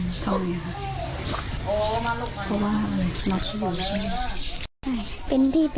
พี่น้องของผู้เสียหายแล้วเสร็จแล้วมีการของผู้เสียหาย